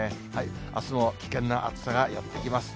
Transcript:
あすも危険な暑さがやって来ます。